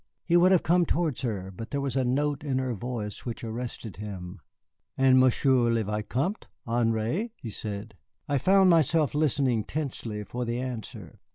He would have come towards her, but there was a note in her voice which arrested him. "And Monsieur le Vicomte Henri?" he said. I found myself listening tensely for the answer.